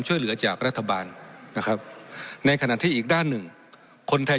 ช่วยเหลือจากรัฐบาลนะครับในขณะที่อีกด้านหนึ่งคนไทย